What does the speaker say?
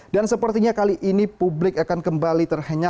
dan sepertinya kali ini publik akan kembali terhadapnya